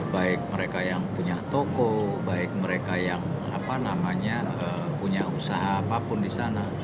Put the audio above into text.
baik mereka yang punya toko baik mereka yang punya usaha apapun di sana